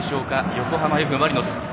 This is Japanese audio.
横浜Ｆ・マリノス。